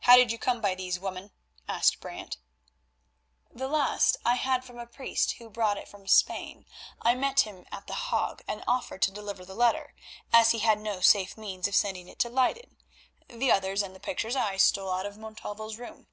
"How did you come by these, woman?" asked Brant. "The last I had from a priest who brought it from Spain. I met him at The Hague, and offered to deliver the letter, as he had no safe means of sending it to Leyden. The others and the pictures I stole out of Montalvo's room."